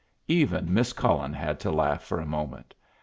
Even Miss Cullen had to laugh for a moment.